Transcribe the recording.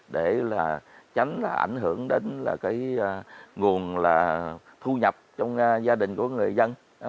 để là tránh ảnh hưởng đến là cái nguồn là thu nhập trong gia đình của người dân